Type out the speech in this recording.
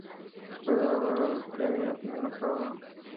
Fue ganadora del Premio Minotauro.